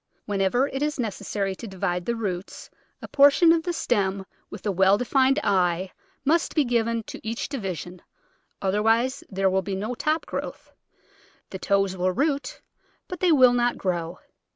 Whenever it is nec essary to divide the roots a portion of the stem with a well defined eye must be given to each division, otherwise there will be no top growth ; the toes will root, but they will not grow.